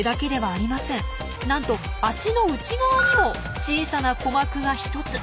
なんと脚の内側にも小さな鼓膜が１つ。